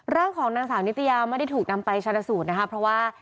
ร่างของนางสาวนิตยาไม่ได้ถูกนำไปชนะสูตรนะคะเพราะว่า